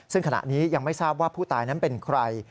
ซึ่งขณะนี้ยังไม่ทราบว่าผู้ตายนั้นเป็นใคร